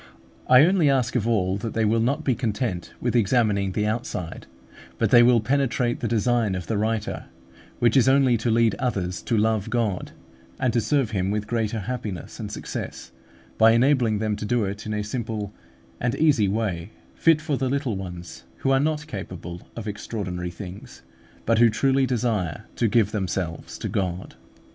I only ask of all that they will not be content with examining the outside, but that they will penetrate the design of the writer, which is only to lead others to LOVE GOD, and to serve Him with greater happiness and success, by enabling them to do it in a simple and easy way, fit for the little ones who are not capable of extraordinary things, but who truly desire to give themselves to God.